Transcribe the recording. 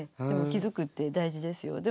でも気づくって大事ですよ。